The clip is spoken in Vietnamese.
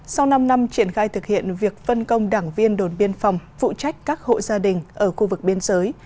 sau năm năm triển khai thực hiện việc phân công đảng viên đồn biên phòng phụ trách các hộ gia đình ở khu vực biên giới